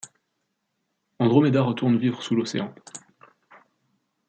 Andromeda retourne vivre sous l'océan.